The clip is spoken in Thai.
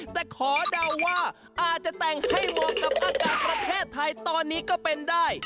แต่ขอเดาว่าอาจจะแต่งให้เหมาะกับอากาศประเทศไทยตอนนี้ก็เป็นได้